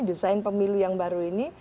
desain pemilu yang baru ini